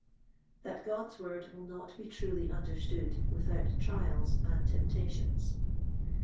That God's Word will not be truly understood without Trials and Temptations.